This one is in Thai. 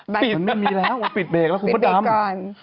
มันไม่มีแล้วมันปิดเบรกแล้วคุณพดต้าม